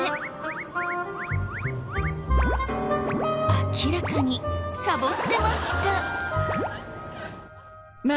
明らかにサボってました。